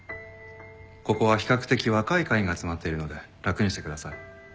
ここは比較的若い会員が集まっているので楽にしてください。